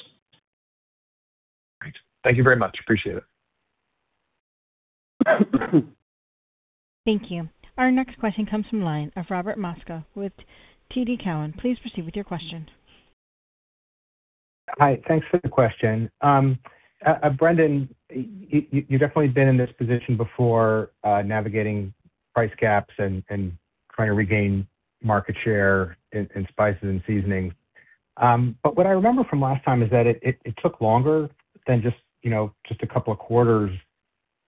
Great. Thank you very much. Appreciate it. Thank you. Our next question comes from line of Robert Moskow with TD Cowen. Please proceed with your question. Hi. Thanks for the question. Brendan, you've definitely been in this position before, navigating price gaps and trying to regain market share in spices and seasoning. What I remember from last time is that it took longer than just a couple of quarters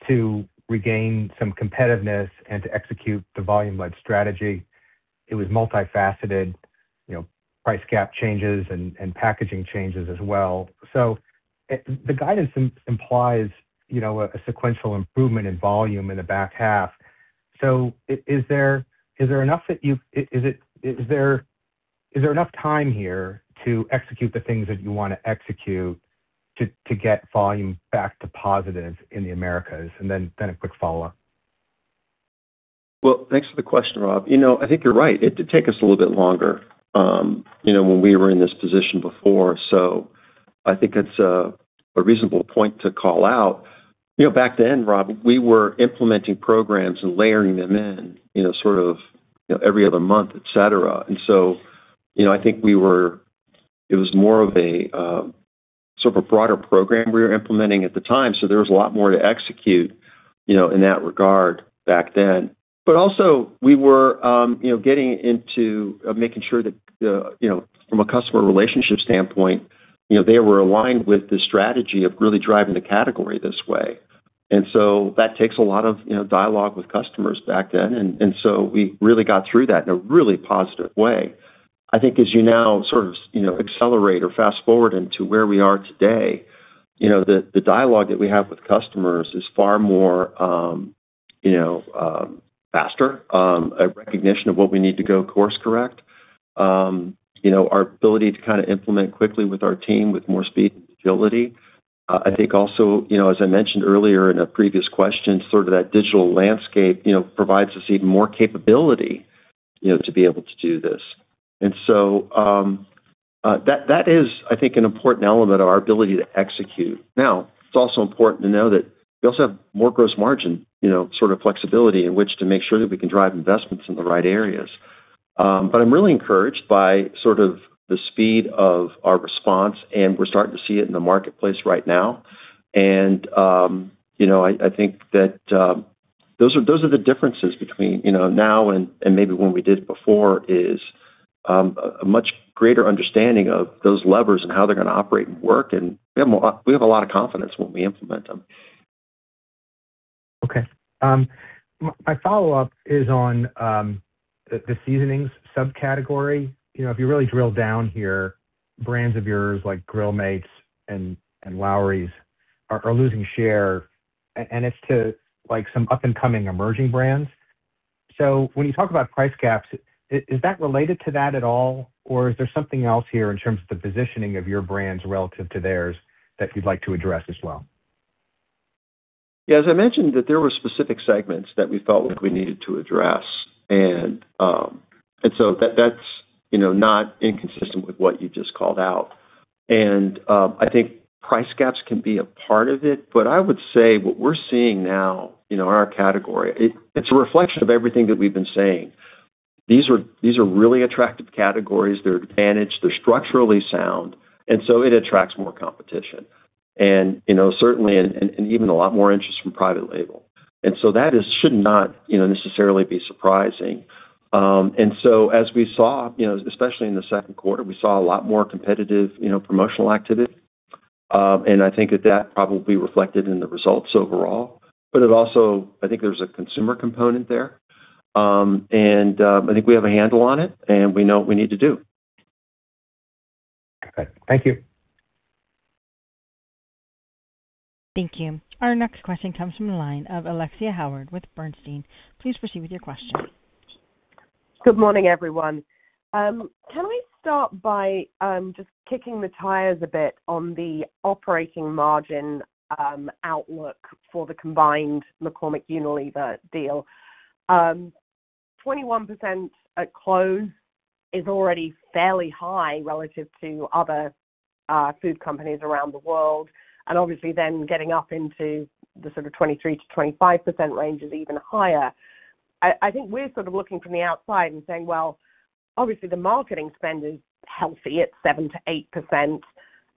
to regain some competitiveness and to execute the volume-led strategy. It was multifaceted, price gap changes and packaging changes as well. The guidance implies a sequential improvement in volume in the back half. Is there enough time here to execute the things that you want to execute to get volume back to positive in the Americas? A quick follow-up. Well, thanks for the question, Rob. I think you're right. It did take us a little bit longer when we were in this position before. I think that's a reasonable point to call out. Back then, Rob, we were implementing programs and layering them in sort of every other month, et cetera. I think it was more of a sort of a broader program we were implementing at the time. There was a lot more to execute in that regard back then. Also, we were getting into making sure that from a customer relationship standpoint, they were aligned with the strategy of really driving the category this way. That takes a lot of dialogue with customers back then. We really got through that in a really positive way. I think as you now sort of accelerate or fast-forward into where we are today, the dialogue that we have with customers is far more faster, a recognition of what we need to go course correct. Our ability to kind of implement quickly with our team with more speed and agility. I think also, as I mentioned earlier in a previous question, sort of that digital landscape provides us even more capability to be able to do this. That is, I think, an important element of our ability to execute. Now, it's also important to know that we also have more gross margin sort of flexibility in which to make sure that we can drive investments in the right areas. I'm really encouraged by sort of the speed of our response, and we're starting to see it in the marketplace right now. I think that those are the differences between now and maybe when we did it before is a much greater understanding of those levers and how they're going to operate and work, and we have a lot of confidence when we implement them. Okay. My follow-up is on the seasonings subcategory. If you really drill down here, brands of yours like Grill Mates and Lawry's are losing share, and it's to some up-and-coming emerging brands. When you talk about price gaps, is that related to that at all? Is there something else here in terms of the positioning of your brands relative to theirs that you'd like to address as well? Yeah. As I mentioned, that there were specific segments that we felt like we needed to address. That's not inconsistent with what you just called out. I think price gaps can be a part of it. I would say what we're seeing now in our category, it's a reflection of everything that we've been saying. These are really attractive categories. They're advantaged, they're structurally sound, so it attracts more competition and certainly, even a lot more interest from private label. That should not necessarily be surprising. As we saw, especially in the second quarter, we saw a lot more competitive promotional activity. I think that probably reflected in the results overall. It also, I think there's a consumer component there. I think we have a handle on it, and we know what we need to do. Okay. Thank you. Thank you. Our next question comes from the line of Alexia Howard with Bernstein. Please proceed with your question. Good morning, everyone. Can we start by just kicking the tires a bit on the operating margin outlook for the combined McCormick-Unilever deal? 21% at close is already fairly high relative to other food companies around the world. Obviously then getting up into the sort of 23%-25% range is even higher. I think we're sort of looking from the outside and saying, well, obviously, the marketing spend is healthy at 7%-8%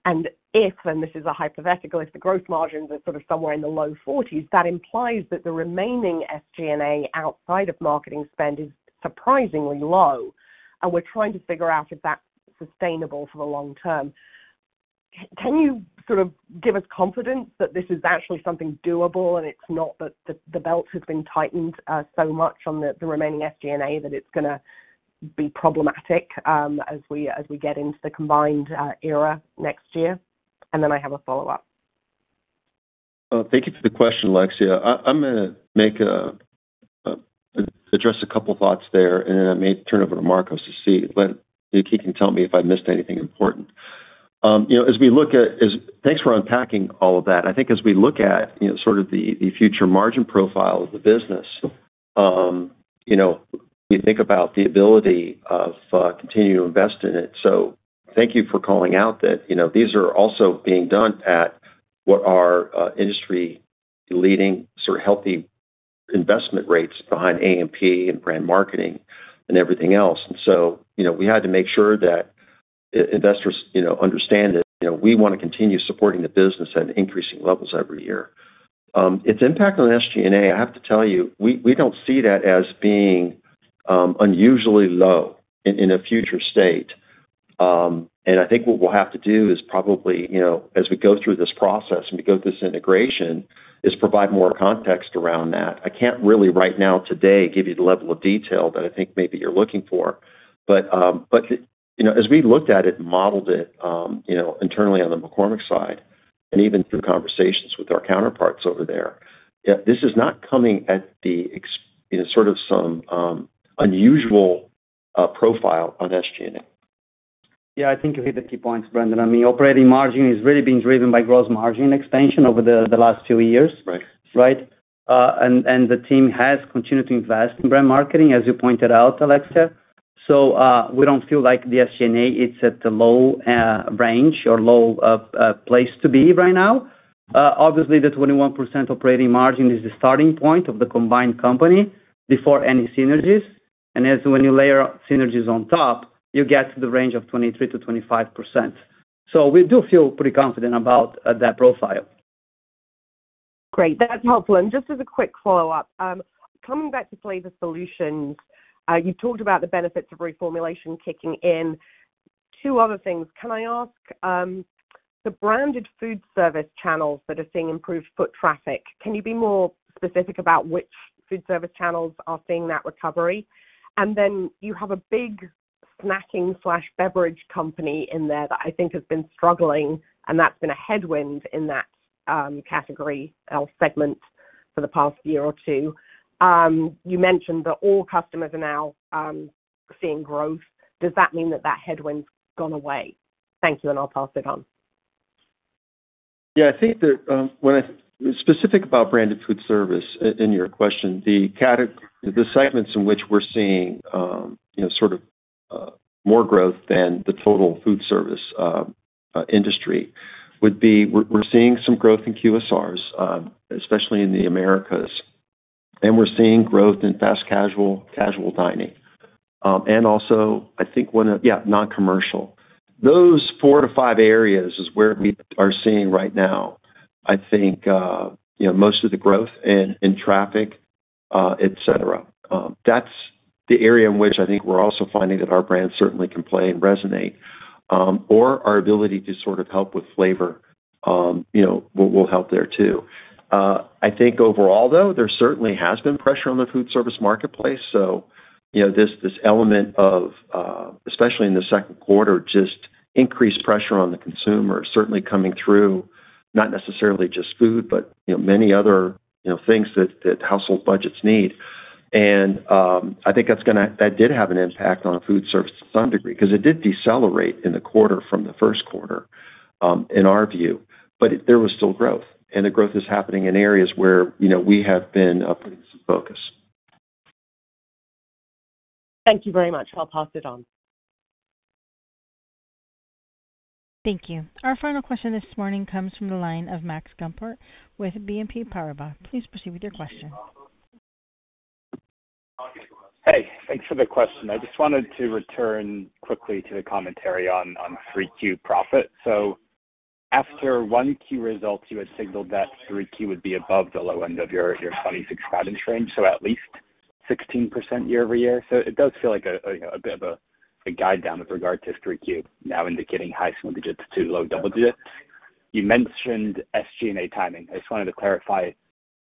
and if, and this is a hypothetical, if the growth margins are sort of somewhere in the low 40s, that implies that the remaining SG&A outside of marketing spend is surprisingly low, and we're trying to figure out if that's sustainable for the long term. Can you sort of give us confidence that this is actually something doable and it's not that the belt has been tightened so much on the remaining SG&A that it's going to be problematic as we get into the combined era next year? I have a follow-up. Thank you for the question, Alexia. I'm going to address a couple of thoughts there. I may turn over to Marcos to see, but he can tell me if I missed anything important. Thanks for unpacking all of that. I think as we look at sort of the future margin profile of the business, we think about the ability of continuing to invest in it. Thank you for calling out that these are also being done at what are industry-leading, sort of healthy investment rates behind A&P and brand marketing and everything else. We had to make sure that investors understand that we want to continue supporting the business at increasing levels every year. Its impact on SG&A, I have to tell you, we don't see that as being unusually low in a future state. I think what we'll have to do is probably, as we go through this process and we go through this integration, is provide more context around that. I can't really, right now, today, give you the level of detail that I think maybe you're looking for. As we looked at it and modeled it internally on the McCormick side and even through conversations with our counterparts over there, this is not coming at the sort of some unusual profile on SG&A. Yeah, I think you hit the key points, Brendan. I mean, operating margin has really been driven by gross margin expansion over the last few years. Right. Right. The team has continued to invest in brand marketing, as you pointed out, Alexia. We don't feel like the SG&A is at a low range or low place to be right now. Obviously, the 21% operating margin is the starting point of the combined company before any synergies. As when you layer synergies on top, you get to the range of 23%-25%. We do feel pretty confident about that profile. Great. That's helpful. Just as a quick follow-up, coming back to Flavor Solutions, you talked about the benefits of reformulation kicking in. Two other things. Can I ask, the branded food service channels that are seeing improved foot traffic, can you be more specific about which food service channels are seeing that recovery? Then you have a big snacking/beverage company in there that I think has been struggling, and that's been a headwind in that category or segment for the past year or two. You mentioned that all customers are now seeing growth. Does that mean that that headwind's gone away? Thank you, and I'll pass it on. Yeah, I think that specific about branded food service in your question, the segments in which we're seeing sort of more growth than the total food service industry would be, we're seeing some growth in QSRs, especially in the Americas, and we're seeing growth in fast casual dining. Also, I think one of non-commercial. Those four to five areas is where we are seeing right now, I think, most of the growth in traffic, et cetera. That's the area in which I think we're also finding that our brands certainly can play and resonate or our ability to sort of help with flavor will help there, too. I think overall, though, there certainly has been pressure on the food service marketplace. This element of, especially in the second quarter, just increased pressure on the consumer certainly coming through, not necessarily just food, but many other things that household budgets need. I think that did have an impact on food service to some degree because it did decelerate in the quarter from the first quarter, in our view. There was still growth, and the growth is happening in areas where we have been putting some focus. Thank you very much. I'll pass it on. Thank you. Our final question this morning comes from the line of Max Gumport with BNP Paribas. Please proceed with your question. Hey, thanks for the question. I just wanted to return quickly to the commentary on 3Q profit. After 1Q results, you had signaled that 3Q would be above the low end of your 2026 guidance range, at least 16% year-over-year. It does feel like a bit of a guide down with regard to 3Q now indicating high single digits to low double digits. You mentioned SG&A timing. I just wanted to clarify,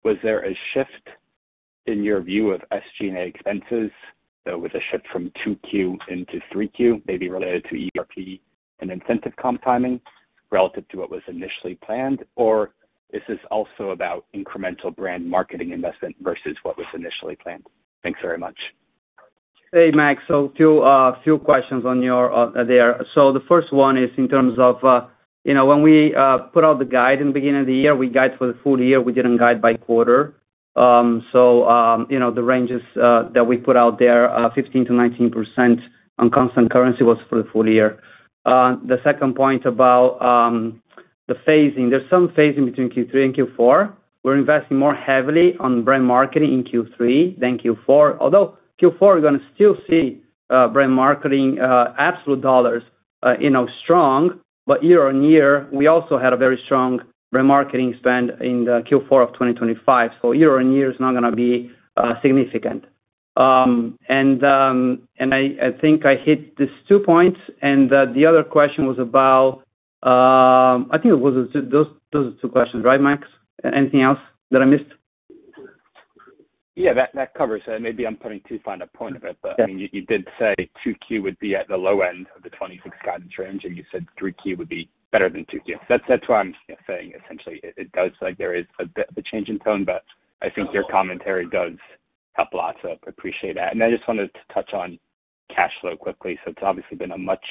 was there a shift in your view of SG&A expenses, with a shift from 2Q into 3Q, maybe related to ERP and incentive comp timing relative to what was initially planned? Or is this also about incremental brand marketing investment versus what was initially planned? Thanks very much. Hey, Max. Two questions on there. The first one is in terms of when we put out the guide in the beginning of the year, we guide for the full year. We didn't guide by quarter. The ranges that we put out there, 15%-19% on constant currency was for the full year. The second point about the phasing. There's some phasing between Q3 and Q4. We're investing more heavily on brand marketing in Q3 than Q4, although Q4, we're going to still see brand marketing absolute dollars strong. Year-on-year, we also had a very strong brand marketing spend in the Q4 of 2025. Year-on-year is not going to be significant. I think I hit these two points and the other question was about I think those are two questions, right, Max? Anything else that I missed? Yeah, that covers it. Maybe I'm putting too fine a point of it, but. Yeah You did say 2Q would be at the low end of the 2026 guidance range, and you said 3Q would be better than 2Q. That's why I'm saying essentially it does look like there is a bit of a change in tone, but I think your commentary does help lots, so appreciate that. I just wanted to touch on cash flow quickly. It's obviously been a much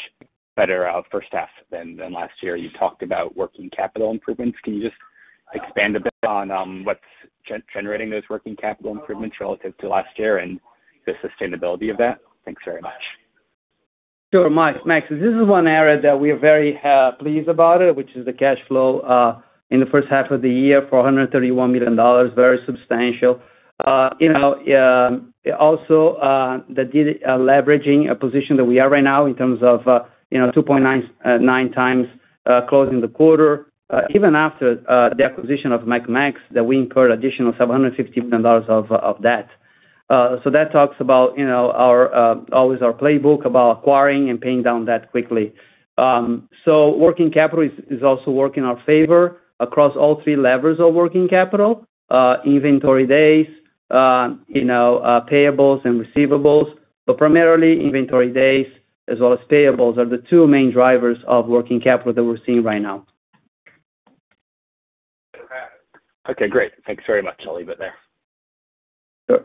better first half than last year. You talked about working capital improvements. Can you just expand a bit on what's generating those working capital improvements relative to last year and the sustainability of that? Thanks very much. Sure, Max. This is one area that we are very pleased about, which is the cash flow in the first half of the year for $131 million, very substantial. Also, the de-leveraging position that we are right now in terms of 2.9 times closing the quarter. Even after the acquisition of McCormick, that we incurred additional $750 million of debt. That talks about always our playbook about acquiring and paying down debt quickly. Working capital is also working our favor across all three levers of working capital, inventory days, payables and receivables. Primarily inventory days as well as payables are the two main drivers of working capital that we're seeing right now. Okay, great. Thanks very much. I'll leave it there. Sure.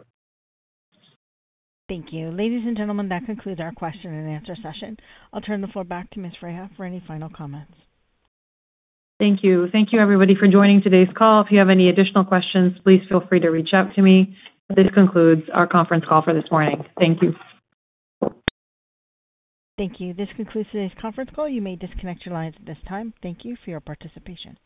Thank you. Ladies and gentlemen, that concludes our question and answer session. I'll turn the floor back to Ms. Freiha for any final comments. Thank you. Thank you, everybody, for joining today's call. If you have any additional questions, please feel free to reach out to me. This concludes our conference call for this morning. Thank you. Thank you. This concludes today's conference call. You may disconnect your lines at this time. Thank you for your participation.